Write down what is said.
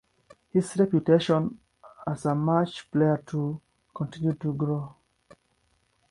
His reputation as a match player too, continued to grow.